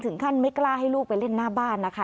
ท่านไม่กล้าให้ลูกไปเล่นหน้าบ้านนะคะ